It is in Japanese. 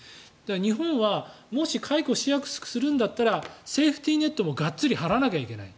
日本は、もし解雇しやすくするんだったらセーフティーネットもがっつり張らないといけない。